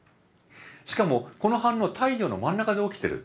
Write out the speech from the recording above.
しかもこの反応は太陽の真ん中で起きてる。